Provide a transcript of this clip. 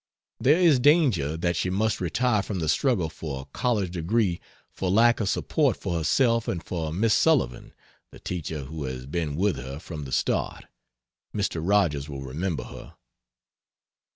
There is danger that she must retire from the struggle for a College degree for lack of support for herself and for Miss Sullivan, (the teacher who has been with her from the start Mr. Rogers will remember her.)